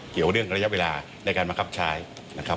เกี่ยวเรื่องระยะเวลาในการบังคับใช้นะครับ